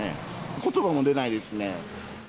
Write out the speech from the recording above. ことばも出ないですね。